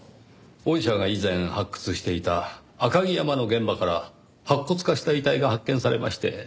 御社が以前発掘していた赤城山の現場から白骨化した遺体が発見されまして。